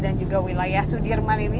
dan juga wilayah sudirman ini